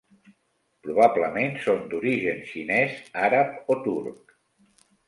Probablement són d'origen xinès, àrab o turc.